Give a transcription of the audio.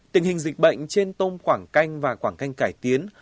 tình hình dịch bệnh trên tôm quảng canh và quảng canh cải tiến